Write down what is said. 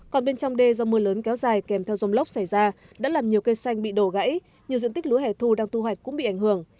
còn bên trong đê do mưa lớn kéo dài kèm theo dông lốc xảy ra đã làm nhiều cây xanh bị đổ gãy nhiều diện tích lúa hẻ thu đang tu hoạch cũng bị ảnh hưởng